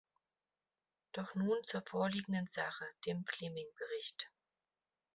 Doch nun zur vorliegenden Sache dem Flemming-Bericht.